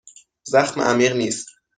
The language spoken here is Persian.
زخم عمیق نیست.